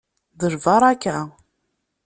D lbaṛaka!